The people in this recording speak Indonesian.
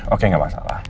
oke nggak masalah